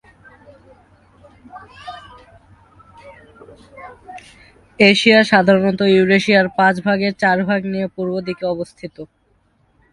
Asia সাধারণত ইউরেশিয়ার পাঁচ ভাগের চার ভাগ নিয়ে পূর্ব দিকে অবস্থিত।